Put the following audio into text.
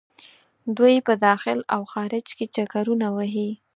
دوۍ په داخل او خارج کې چکرونه وهي.